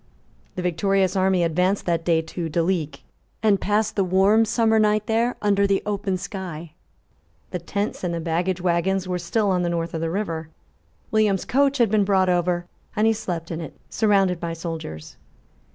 The victorious army advanced that day to Duleek, and passed the warm summer night there under the open sky. The tents and the baggage waggons were still on the north of the river. William's coach had been brought over; and he slept in it surrounded by his soldiers.